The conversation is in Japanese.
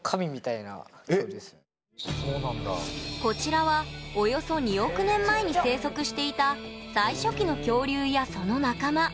こちらはおよそ２億年前に生息していた最初期の恐竜やその仲間。